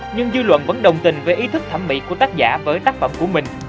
nhưng dư luận vẫn đồng tình với ý thức thẩm mỹ của tác giả với tác phẩm của mình